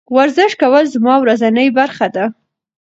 ورزش کول زما ورځنۍ برخه ده.